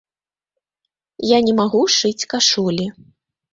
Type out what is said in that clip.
Я не магу шыць кашулі.